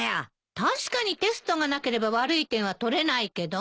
確かにテストがなければ悪い点は取れないけど。